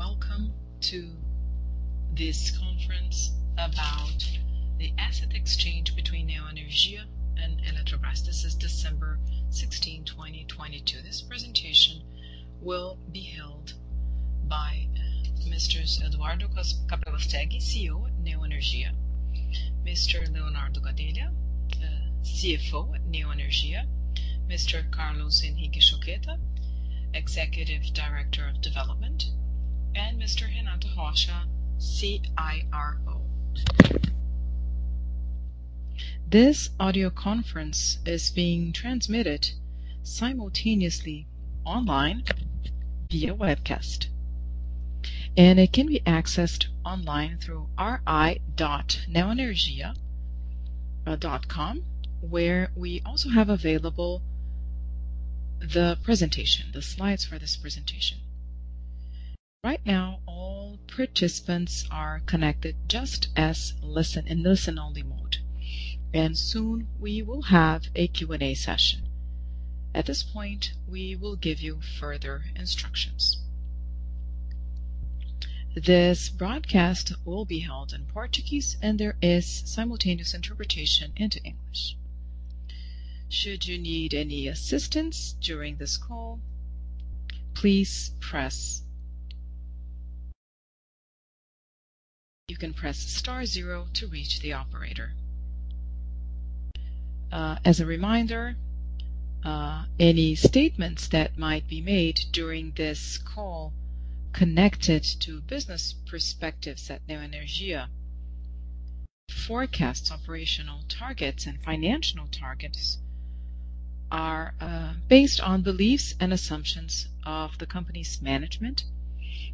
Good evening. Welcome to this conference about the asset exchange between Neoenergia and Eletrobras. This is December 16, 2022. This presentation will be held by Messrs. Eduardo Capelastegui, CEO at Neoenergia, Mr. Leonardo Gadelha, CFO at Neoenergia, Mr. Carlos Henrique Choquetta, Executive Director of Development, and Mr. Renato Rocha, CIRO. This audio conference is being transmitted simultaneously online via webcast. It can be accessed online through ri.neoenergia.com, where we also have available the presentation, the slides for this presentation. Right now, all participants are connected in listen-only mode. Soon we will have a Q&A session. At this point, we will give you further instructions. This broadcast will be held in Portuguese. There is simultaneous interpretation into English. Should you need any assistance during this call, you can press star zero to reach the operator. As a reminder, any statements that might be made during this call connected to business perspectives at Neoenergia, forecasts, operational targets and financial targets are based on beliefs and assumptions of the company's management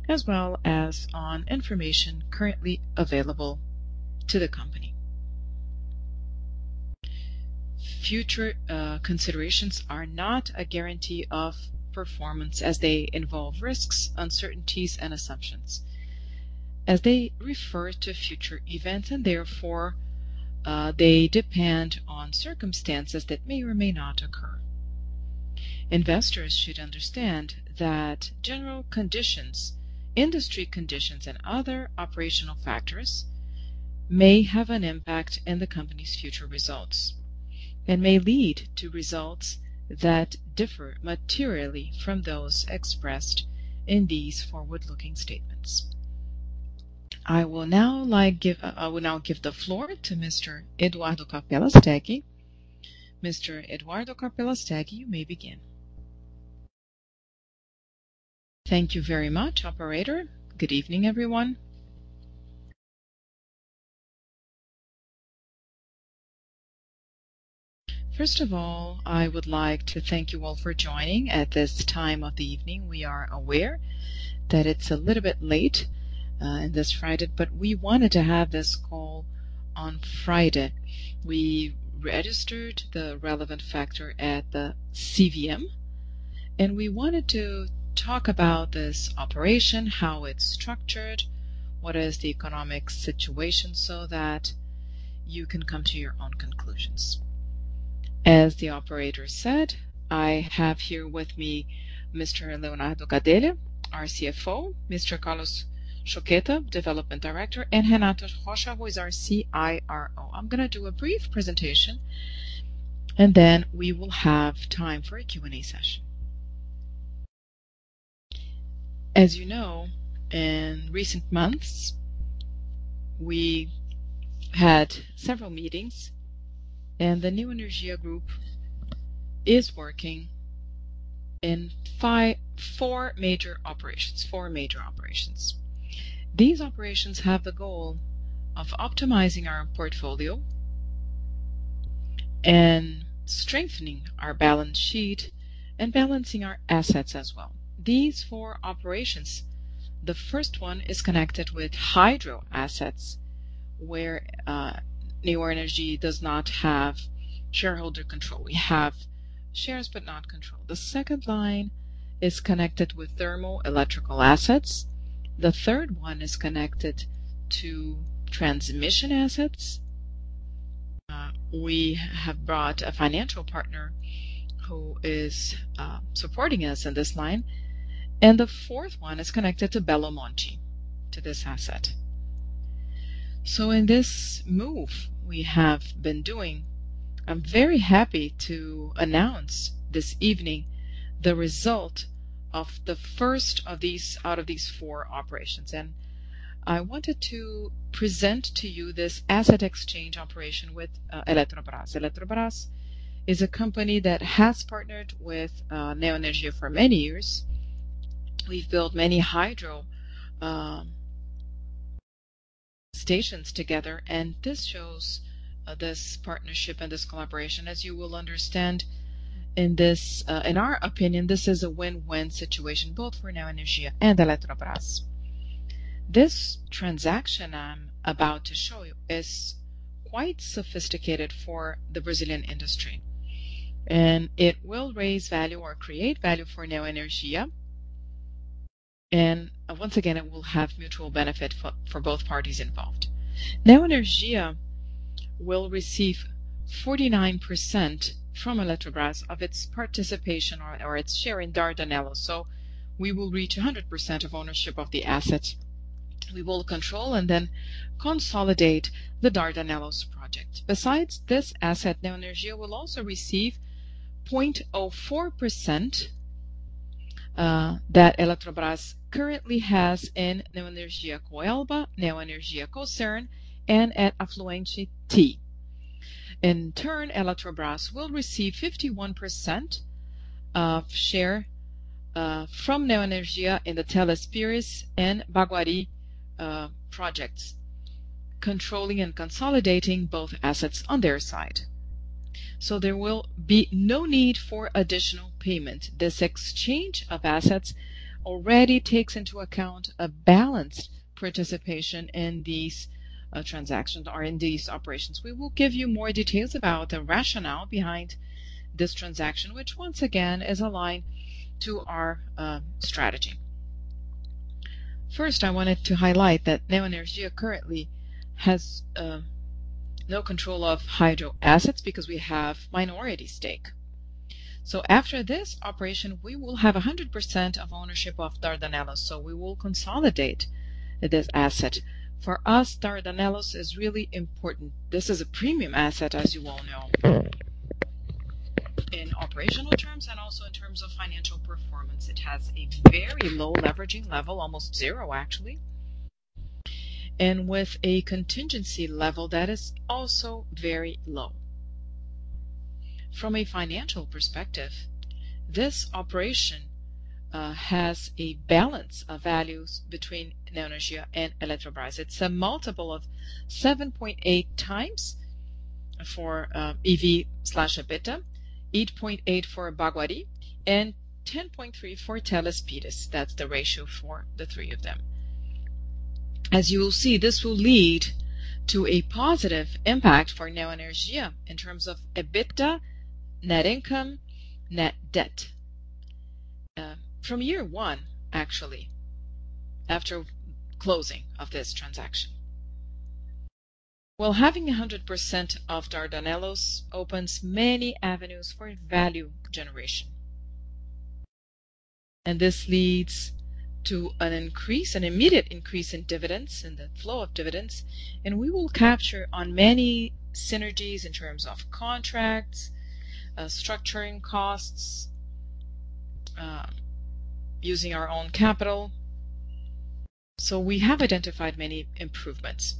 as well as on information currently available to the company. Future considerations are not a guarantee of performance as they involve risks, uncertainties and assumptions as they refer to future events, and therefore, they depend on circumstances that may or may not occur. Investors should understand that general conditions, industry conditions, and other operational factors may have an impact in the company's future results and may lead to results that differ materially from those expressed in these forward-looking statements. I will now give the floor to Mr. Eduardo Capelastegui. Mr. Eduardo Capelastegui, you may begin. Thank you very much, operator. Good evening, everyone. First of all, I would like to thank you all for joining at this time of the evening. We are aware that it's a little bit late, in this Friday, but we wanted to have this call on Friday. We registered the relevant factor at the CVM, and we wanted to talk about this operation, how it's structured, what is the economic situation, so that you can come to your own conclusions. As the operator said, I have here with me Mr. Leonardo Gadelha, our CFO, Mr. Carlos Choquetta, Development Director, and Renato Rocha, who is our CIRO. I'm gonna do a brief presentation, and then we will have time for a Q&A session. As you know, in recent months, we had several meetings and the Neoenergia group is working in four major operations. Four major operations. These operations have the goal of optimizing our portfolio and strengthening our balance sheet and balancing our assets as well. These four operations, the first one is connected with hydro assets, where Neoenergia does not have shareholder control. We have shares but not control. The second line is connected with thermal electrical assets. The third one is connected to transmission assets. We have brought a financial partner who is supporting us in this line. The fourth one is connected to Belo Monte, to this asset. In this move we have been doing, I'm very happy to announce this evening the result of the first out of these four operations. I wanted to present to you this asset exchange operation with Eletrobras. Eletrobras is a company that has partnered with Neoenergia for many years. We've built many hydro stations together. This shows this partnership and this collaboration. As you will understand. In our opinion, this is a win-win situation, both for Neoenergia and Eletrobras. This transaction I'm about to show you is quite sophisticated for the Brazilian industry. It will raise value or create value for Neoenergia. Once again, it will have mutual benefit for both parties involved. Neoenergia will receive 49% from Eletrobras of its participation or its share in Dardanelos. We will reach 100% of ownership of the assets. We will control and then consolidate the Dardanelos project. Besides this asset, Neoenergia will also receive 0.04% that Eletrobras currently has in Neoenergia Coelba, Neoenergia Cosern, and at Afluente T. In turn, Eletrobras will receive 51% of share from Neoenergia in the Teles Pires and Baguari projects, controlling and consolidating both assets on their side. There will be no need for additional payment. This exchange of assets already takes into account a balanced participation in these transactions or in these operations. We will give you more details about the rationale behind this transaction, which once again is aligned to our strategy. First, I wanted to highlight that Neoenergia currently has no control of hydro assets because we have minority stake. After this operation, we will have 100% of ownership of Dardanelos, so we will consolidate this asset. For us, Dardanelos is really important. This is a premium asset, as you all know, in operational terms and also in terms of financial performance. It has a very low leveraging level, almost zero actually, and with a contingency level that is also very low. From a financial perspective, this operation has a balance of values between Neoenergia and Eletrobras. It's a multiple of 7.8x for EV/EBITDA, 8.8 for Baguari, and 10.3 for Teles Pires. That's the ratio for the three of them. As you will see, this will lead to a positive impact for Neoenergia in terms of EBITDA, net income, net debt, from year one, actually, after closing of this transaction. Well, having 100% of Dardanelos opens many avenues for value generation. This leads to an immediate increase in dividends and the flow of dividends, and we will capture on many synergies in terms of contracts, structuring costs, using our own capital. We have identified many improvements.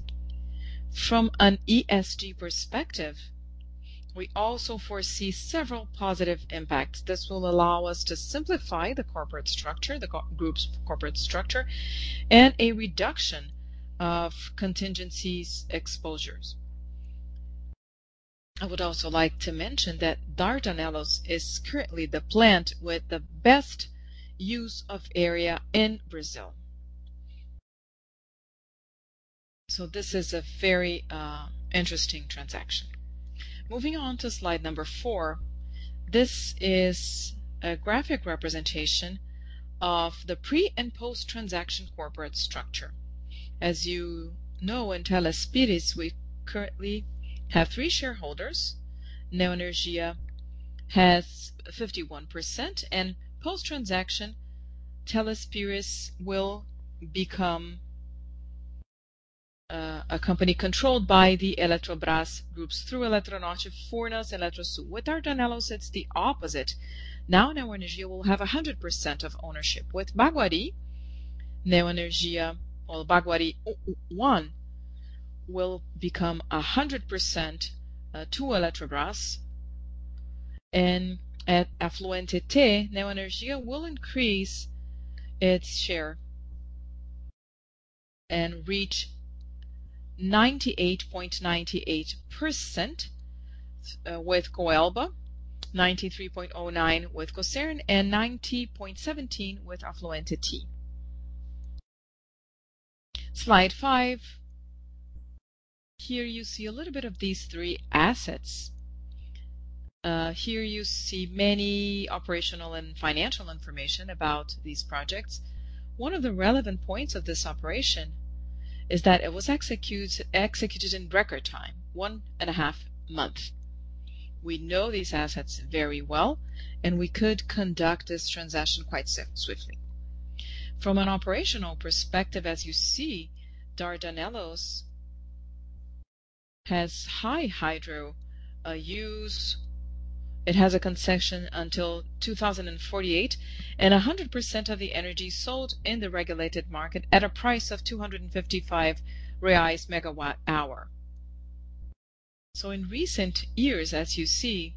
From an ESG perspective, we also foresee several positive impacts. This will allow us to simplify the corporate structure and a reduction of contingencies exposures. I would also like to mention that Dardanelos is currently the plant with the best use of area in Brazil. This is a very interesting transaction. Moving on to slide number four. This is a graphic representation of the pre- and post-transaction corporate structure. As you know, in Teles Pires, we currently have three shareholders. Neoenergia has 51%. Post-transaction, Teles Pires will become a company controlled by the Eletrobras groups through Eletronorte, Furnas, and Eletrosul. With Dardanelos, it's the opposite. Now, Neoenergia will have 100% of ownership. With Baguari, Neoenergia or Baguari I will become 100% to Eletrobras. At Afluente T, Neoenergia will increase its share and reach 98.98% with Coelba, 93.09 with Cosern, and 90.17 with Afluente T. Slide five. Here you see a little bit of these three assets. Here you see many operational and financial information about these projects. One of the relevant points of this operation is that it was executed in record time, 1.5 month. We know these assets very well, and we could conduct this transaction quite swiftly. From an operational perspective, as you see, Dardanelos has high hydro use. It has a concession until 2048, and 100% of the energy sold in the regulated market at a price of 255 reais megawatt hour. In recent years, as you see,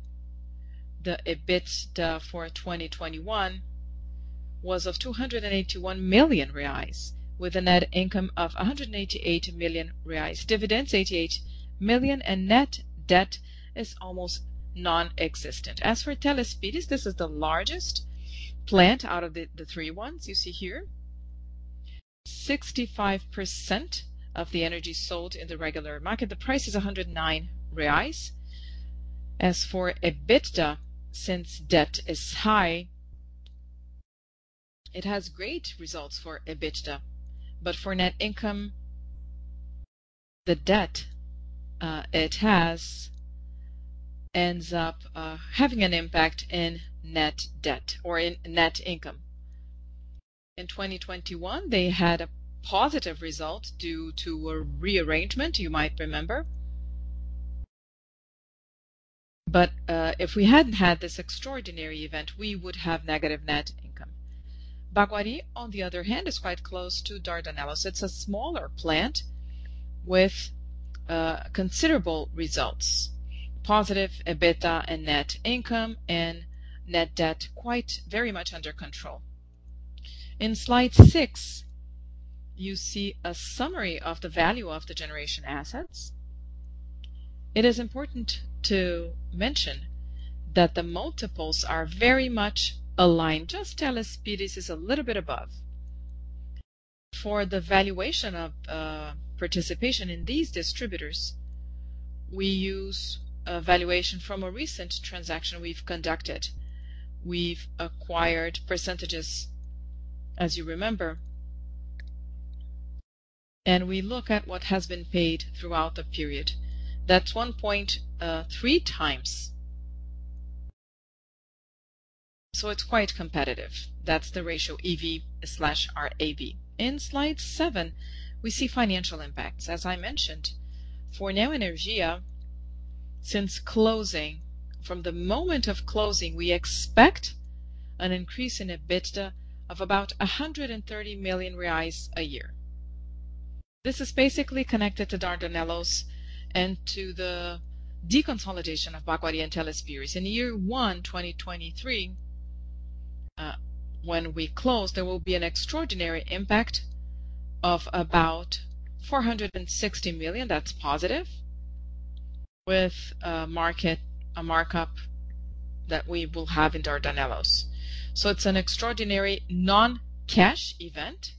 the EBITDA for 2021 was of 281 million reais with a net income of 188 million reais. Dividends, 88 million. Net debt is almost nonexistent. As for Teles Pires, this is the largest plant out of the three ones you see here. 65% of the energy sold in the regular market. The price is 109 reais. As for EBITDA, since debt is high. It has great results for EBITDA, but for net income, the debt, it ends up having an impact in net debt or in net income. In 2021, they had a positive result due to a rearrangement, you might remember. If we hadn't had this extraordinary event, we would have negative net income. Baguari, on the other hand, is quite close to Dardanellos. It's a smaller plant with considerable results. Positive EBITDA and net income and net debt quite very much under control. In slide six, you see a summary of the value of the generation assets. It is important to mention that the multiples are very much aligned. Just Teles Pires is a little bit above. For the valuation of participation in these distributors, we use a valuation from a recent transaction we've conducted. We've acquired percentages, as you remember. We look at what has been paid throughout the period. That's 1.3x. It's quite competitive. That's the ratio EV/RAV. In slide seven, we see financial impacts. As I mentioned, for Neoenergia, since closing, from the moment of closing, we expect an increase in EBITDA of about 130 million reais a year. This is basically connected to Dardanelos and to the deconsolidation of Baguari and Teles Pires. In year one, 2023, when we close, there will be an extraordinary impact of about 460 million. That's positive. With a market, a markup that we will have in Dardanelos. It's an extraordinary non-cash event,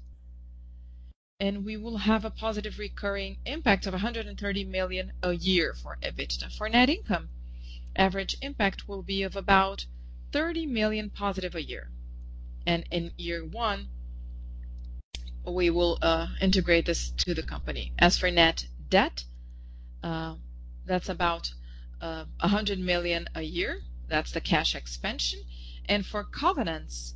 and we will have a positive recurring impact of 130 million a year for EBITDA. For net income, average impact will be of about 30 million positive a year. In year one, we will integrate this to the company. As for net debt, that's about 100 million a year. That's the cash expansion. For covenants,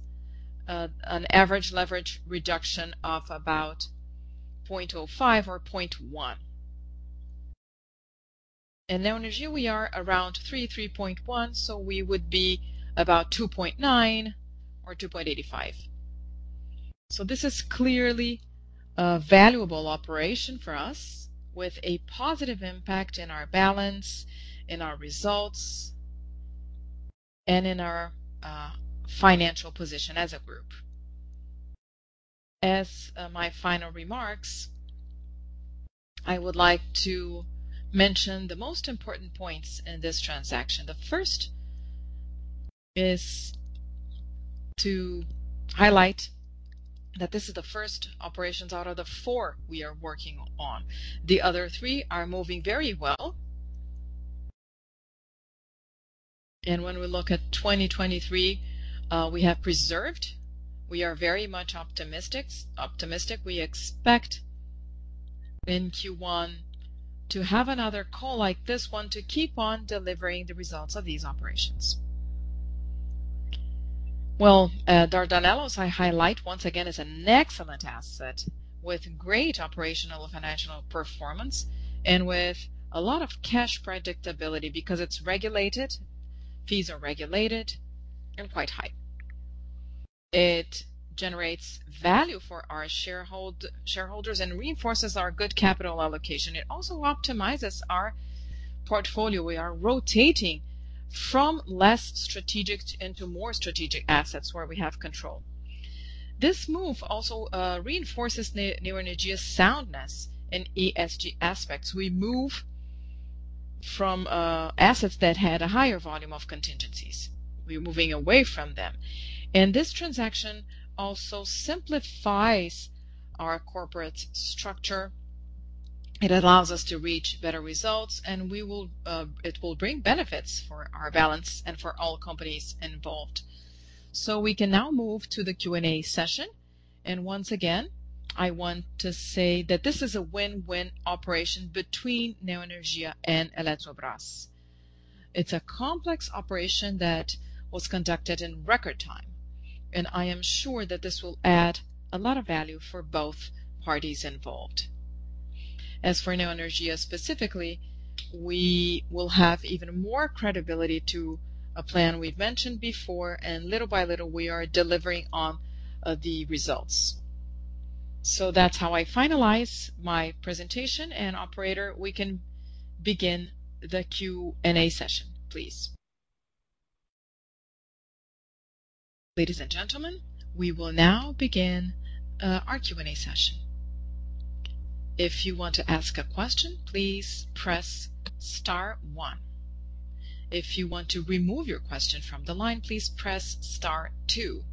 an average leverage reduction of about 0.05 or 0.1. In Neoenergia, we are around 3.1. We would be about 2.9 or 2.85. This is clearly a valuable operation for us with a positive impact in our balance, in our results, and in our financial position as a group. As my final remarks, I would like to mention the most important points in this transaction. The first is to highlight that this is the first operations out of the four we are working on. The other three are moving very well. When we look at 2023, we have preserved. We are very much optimistic. We expect in Q1 to have another call like this one to keep on delivering the results of these operations. Dardanelos, I highlight once again, is an excellent asset with great operational and financial performance and with a lot of cash predictability because it's regulated, fees are regulated, and quite high. It generates value for our shareholders and reinforces our good capital allocation. It also optimizes our portfolio. We are rotating from less strategic into more strategic assets where we have control. This move also reinforces Neoenergia's soundness in ESG aspects. We move from assets that had a higher volume of contingencies. We're moving away from them. This transaction also simplifies our corporate structure. It allows us to reach better results, and we will, it will bring benefits for our balance and for all companies involved. We can now move to the Q&A session. Once again, I want to say that this is a win-win operation between Neoenergia and Eletrobras. It's a complex operation that was conducted in record time, and I am sure that this will add a lot of value for both parties involved. As for Neoenergia specifically, we will have even more credibility to a plan we've mentioned before, and little by little, we are delivering on the results. That's how I finalize my presentation. Operator, we can begin the Q&A session, please. Ladies and gentlemen, we will now begin our Q&A session. If you want to ask a question, please press star one. If you want to remove your question from the line, please press star two.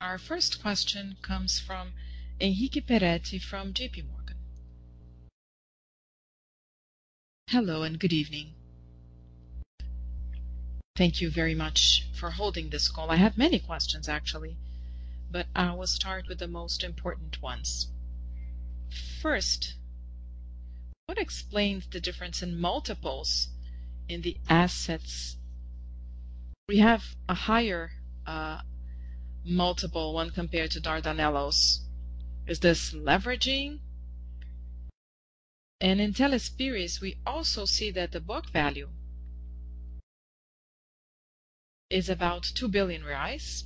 Our first question comes from Henrique Peretti from JPMorgan. Hello and good evening. Thank you very much for holding this call. I have many questions actually, but I will start with the most important ones. First, what explains the difference in multiples in the assets? We have a higher multiple when compared to Dardanelos. Is this leveraging? In Teles Pires, we also see that the book value is about 2 billion reais,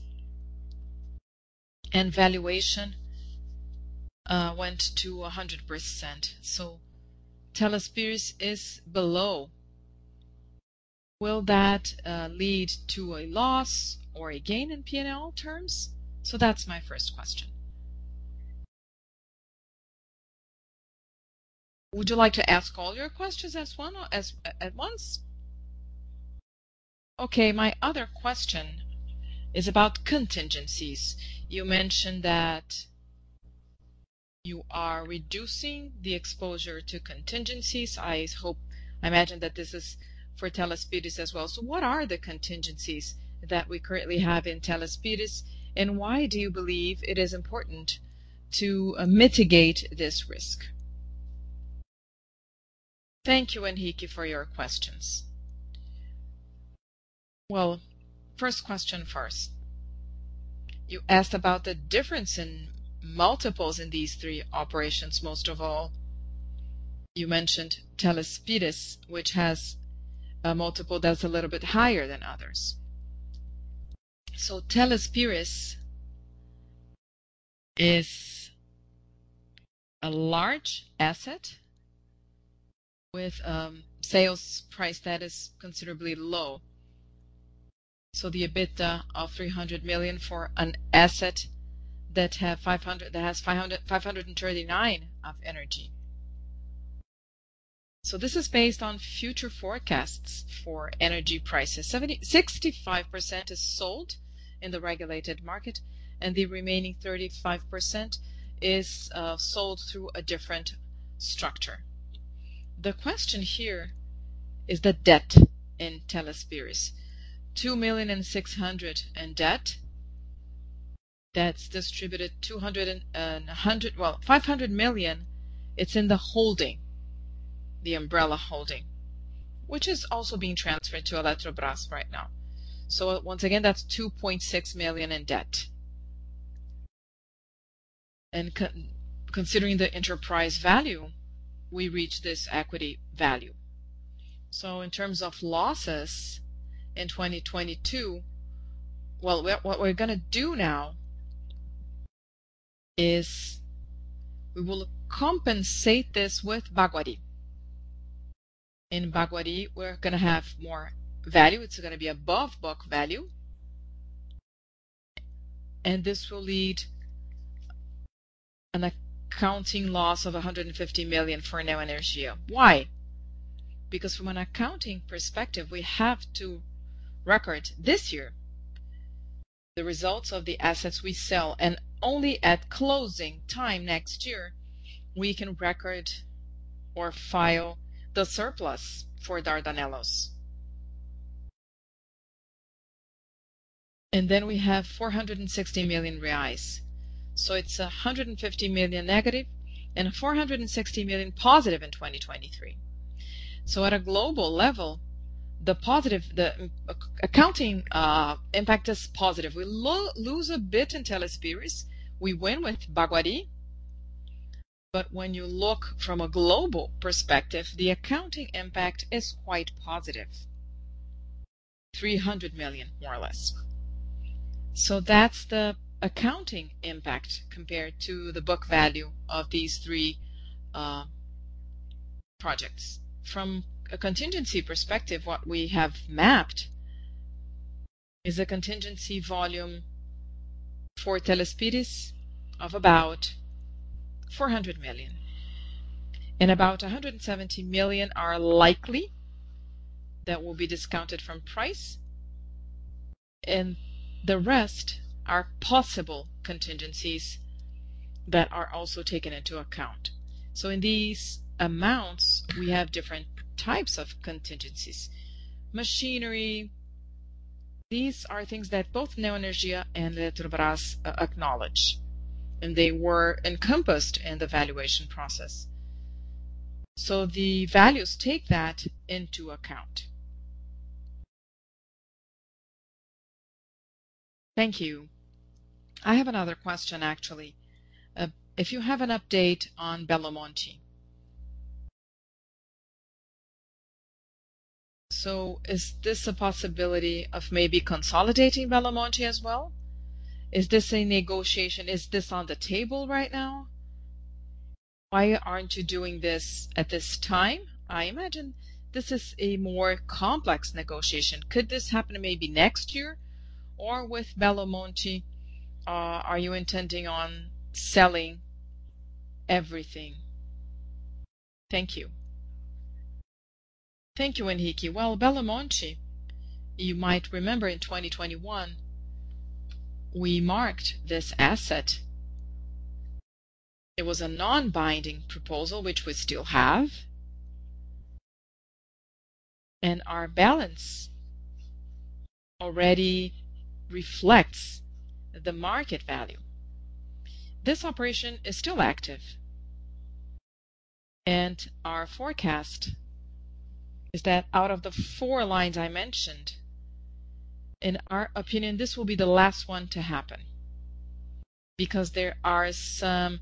and valuation went to 100%. Teles Pires is below. Will that lead to a loss or a gain in P&L terms? That's my first question. Would you like to ask all your questions as one or at once? Okay. My other question is about contingencies. You mentioned that you are reducing the exposure to contingencies. I imagine that this is for Teles Pires as well. What are the contingencies that we currently have in Teles Pires, and why do you believe it is important to mitigate this risk? Thank you, Henrique, for your questions. Well, first question first. You asked about the difference in multiples in these three operations. Most of all, you mentioned Teles Pires, which has a multiple that's a little bit higher than others. Teles Pires is a large asset with a sales price that is considerably low. The EBITDA of 300 million for an asset that has 539 of energy. This is based on future forecasts for energy prices. 65% is sold in the regulated market, and the remaining 35% is sold through a different structure. The question here is the debt in Teles Pires. 2.6 million in debt. That's distributed 500 million, it's in the holding, the umbrella holding, which is also being transferred to Eletrobras right now. Once again, that's 2.6 million in debt. Considering the enterprise value, we reach this equity value. In terms of losses in 2022, well, what we're gonna do now is we will compensate this with Baguari. In Baguari, we're gonna have more value. It's gonna be above book value. This will lead an accounting loss of 150 million for Neoenergia. Why? Because from an accounting perspective, we have to record this year the results of the assets we sell, and only at closing time next year, we can record or file the surplus for Dardanelos. We have 460 million reais. It's 150 million negative and 460 million positive in 2023. At a global level, the accounting impact is positive. We lose a bit in Teles Pires. We win with Baguari. When you look from a global perspective, the accounting impact is quite positive. 300 million, more or less. That's the accounting impact compared to the book value of these three projects. From a contingency perspective, what we have mapped is a contingency volume for Teles Pires of about 400 million. About 170 million are likely that will be discounted from price, and the rest are possible contingencies that are also taken into account. In these amounts, we have different types of contingencies. Machinery, these are things that both Neoenergia and Eletrobras acknowledge, and they were encompassed in the valuation process. The values take that into account. Thank you. I have another question, actually. If you have an update on Belo Monte. Is this a possibility of maybe consolidating Belo Monte as well? Is this a negotiation? Is this on the table right now? Why aren't you doing this at this time? I imagine this is a more complex negotiation. Could this happen maybe next year? With Belo Monte, are you intending on selling everything? Thank you. Thank you, Henrique. Well, Belo Monte, you might remember in 2021, we marked this asset. It was a non-binding proposal, which we still have. Our balance already reflects the market value. This operation is still active. Our forecast is that out of the four lines I mentioned, in our opinion, this will be the last one to happen because there are some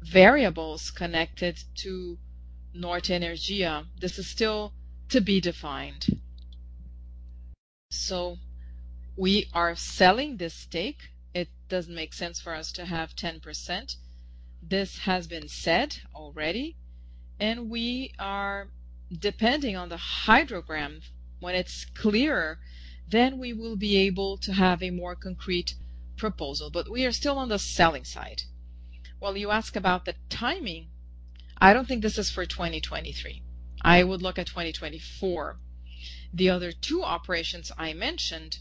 variables connected to Norte Energia. This is still to be defined. We are selling this stake. It doesn't make sense for us to have 10%. This has been said already, and we are depending on the hydrogram. When it's clearer, we will be able to have a more concrete proposal. We are still on the selling side. Well, you ask about the timing. I don't think this is for 2023. I would look at 2024. The other two operations I mentioned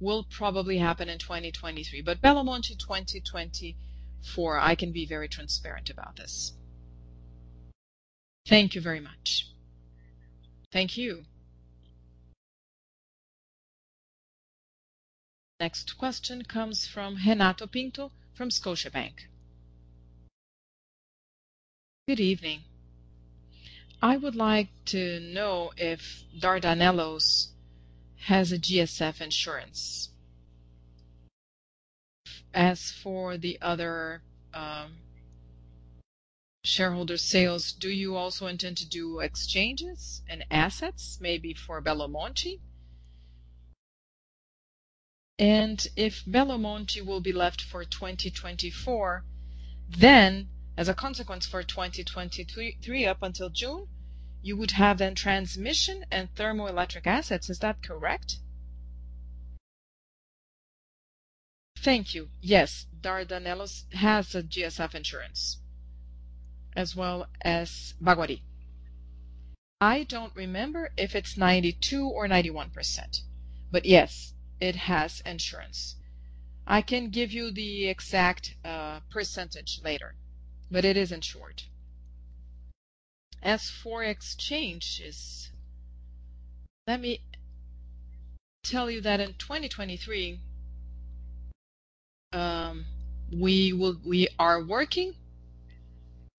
will probably happen in 2023, but Belo Monte, 2024. I can be very transparent about this. Thank you very much. Thank you. Next question comes from Renato Pinto from Scotiabank. Good evening. I would like to know if Dardanelos has a GSF insurance. As for the other shareholder sales, do you also intend to do exchanges and assets maybe for Belo Monte? If Belo Monte will be left for 2024, then as a consequence for 2023 up until June, you would have then transmission and thermoelectric assets. Is that correct? Thank you. Dardanelos has a GSF insurance as well as Baguari. I don't remember if it's 92% or 91%. Yes, it has insurance. I can give you the exact percentage later, but it is insured. As for exchanges, let me tell you that in 2023, we are working.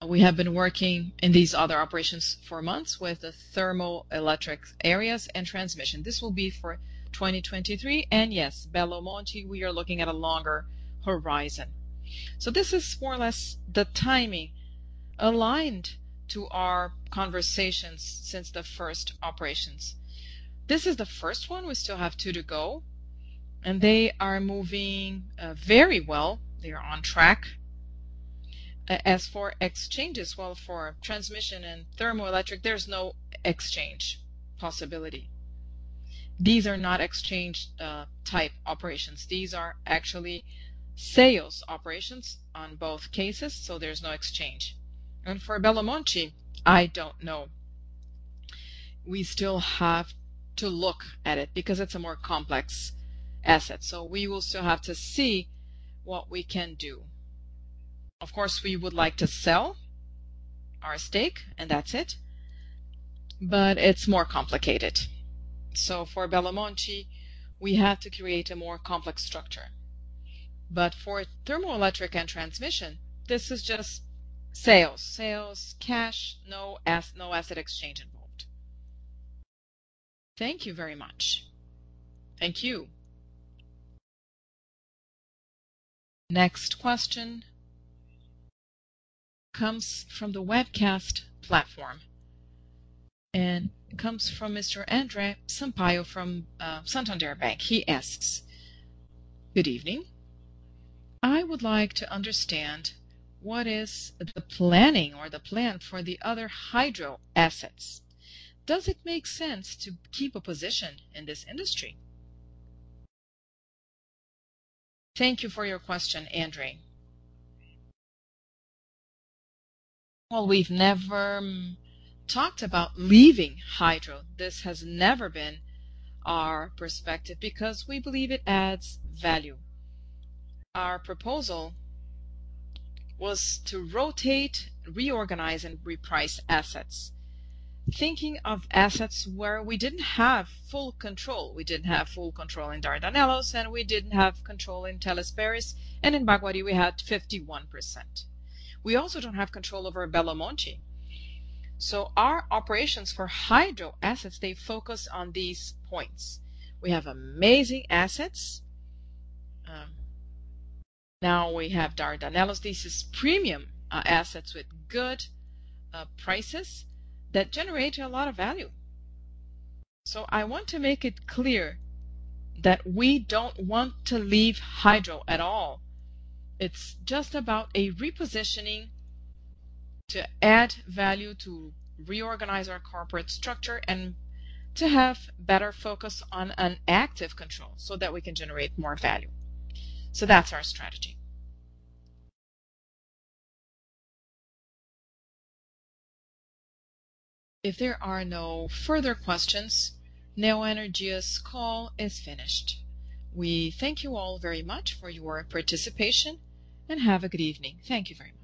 We have been working in these other operations for months with the thermoelectric areas and transmission. This will be for 2023. Yes, Belo Monte, we are looking at a longer horizon. This is more or less the timing aligned to our conversations since the first operations. This is the first one. We still have two to go, and they are moving very well. They are on track. As for exchanges, well, for transmission and thermoelectric, there's no exchange possibility. These are not exchange type operations. These are actually sales operations on both cases, so there's no exchange. For Belo Monte, I don't know. We still have to look at it because it's a more complex asset. We will still have to see what we can do. Of course, we would like to sell our stake and that's it, but it's more complicated. For Belo Monte, we have to create a more complex structure. For thermoelectric and transmission, this is just sales. Sales, cash, no asset exchange involved. Thank you very much. Thank you. Next question comes from the webcast platform, and it comes from Mr. Andre Sampaio from Banco Santander. He asks Good evening. I would like to understand what is the planning or the plan for the other hydro assets. Does it make sense to keep a position in this industry? Thank you for your question, Andre. We've never talked about leaving hydro. This has never been our perspective because we believe it adds value. Our proposal was to rotate, reorganize, and reprice assets. Thinking of assets where we didn't have full control. We didn't have full control in Dardanelos, and we didn't have control in Teles Pires, and in Baguari we had 51%. We also don't have control over Belo Monte. Our operations for hydro assets, they focus on these points. We have amazing assets. Now we have Dardanelos. This is premium assets with good prices that generate a lot of value. I want to make it clear that we don't want to leave hydro at all. It's just about a repositioning to add value, to reorganize our corporate structure, and to have better focus on an active control so that we can generate more value. That's our strategy. If there are no further questions, Neoenergia's call is finished. We thank you all very much for your participation, and have a good evening. Thank you very much.